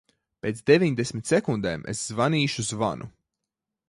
Pēc deviņdesmit sekundēm es zvanīšu zvanu.